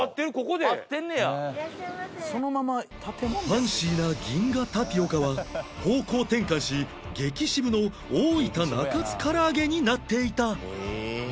ファンシーな銀河タピオカは方向転換し激シブの大分中津からあげになっていた